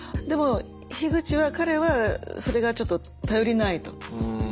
でも樋口は彼はそれがちょっと頼りないと。